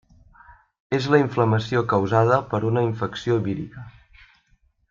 És la inflamació causada per una infecció vírica.